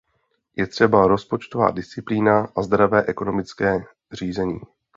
Je třeba rozpočtová disciplína a zdravé ekonomické řízení.